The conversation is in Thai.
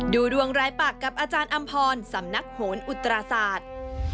ดูดวงรายปากกับอาจารย์อำพรสำนักโหนอุตราศาสตร์